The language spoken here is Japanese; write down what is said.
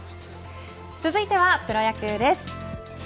続いてはプロ野球です。